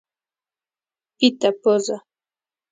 پیته پزه